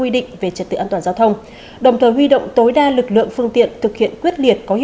đẹp và thân thiện nhiệt tình